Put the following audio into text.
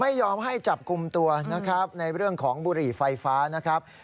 ไม่ยอมให้จับกลุ่มตัวนะครับในเรื่องของบุหรี่ไฟฟ้านะครับ